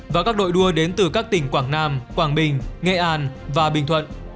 và các đội đua đến từ các tỉnh quảng nam quảng bình nghệ an và bình thuận